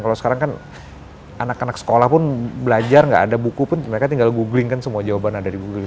kalau sekarang kan anak anak sekolah pun belajar gak ada buku pun mereka tinggal googling kan semua jawaban ada di googling